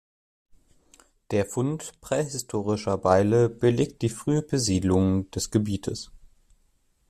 Der Fund prähistorische Beile belegt die frühe Besiedelung des Gebietes.